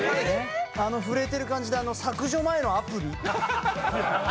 震えてる感じで削除前のアプリ？